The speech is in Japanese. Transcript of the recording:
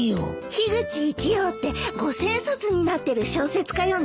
樋口一葉って五千円札になってる小説家よね？